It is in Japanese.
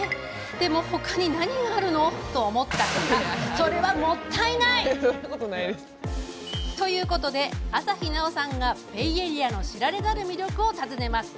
でも、他に何があるの？と思った方、それはもったいない。ということで、朝日奈央さんがベイエリアの知られざる魅力を訪ねます。